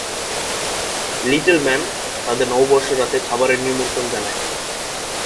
Little man তাদের নববর্ষের রাতে খাবারের নিমন্ত্রণ জানায়।